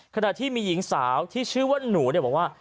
ขณะที่มีหญิงสาวที่ชื่อว่าหนูบอกว่า